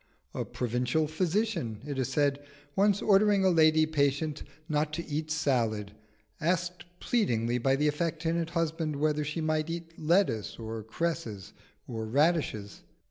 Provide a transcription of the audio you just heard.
A provincial physician, it is said, once ordering a lady patient not to eat salad, was asked pleadingly by the affectionate husband whether she might eat lettuce, or cresses, or radishes.